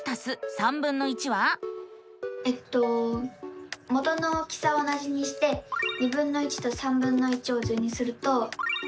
えっと元の大きさは同じにしてとを図にすると。